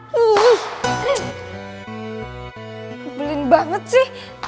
ya terserah lo aja